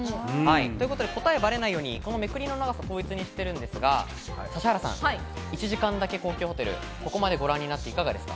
答えがバレないようにめくりの長さは統一にしてるんですが、指原さん、１時間だけ高級ホテル、ここまでご覧になっていかがですか。